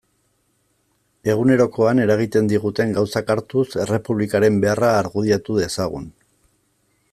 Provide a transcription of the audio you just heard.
Egunerokoan eragiten diguten gauzak hartuz, Errepublikaren beharra argudiatu dezagun.